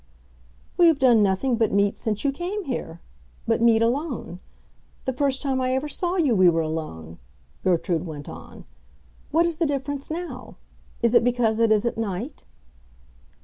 "We have done nothing but meet since you came here—but meet alone. The first time I ever saw you we were alone," Gertrude went on. "What is the difference now? Is it because it is at night?"